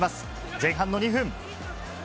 前半の２分。